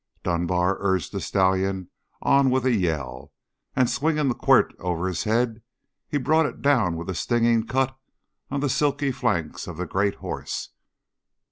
Dunbar urged the stallion on with a yell; and swinging the quirt over his head, he brought it down with a stinging cut on the silky flanks of the great horse.